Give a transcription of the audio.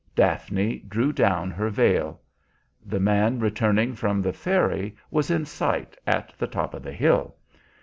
Daphne drew down her veil. The man returning from the ferry was in sight at the top of the hill.